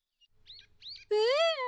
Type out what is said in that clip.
うん。